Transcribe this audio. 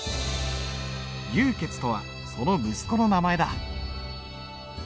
「牛」とはその息子の名前だ。